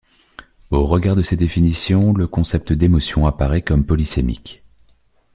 Au regard de ces définitions, le concept d’émotion apparaît comme polysémique.